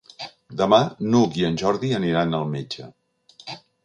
Demà n'Hug i en Jordi aniran al metge.